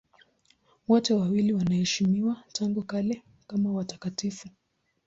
Wote wawili wanaheshimiwa tangu kale kama watakatifu.